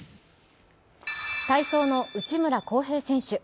体操の内村航平選手。